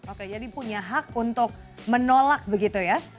oke jadi punya hak untuk menolak begitu ya